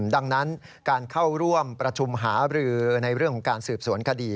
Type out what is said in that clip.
ดังนั้นการเข้าร่วมประชุมหาบรือในเรื่องของการสืบสวนคดี